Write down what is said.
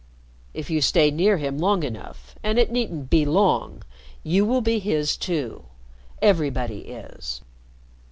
"If you stay near him long enough and it needn't be long you will be his too. Everybody is."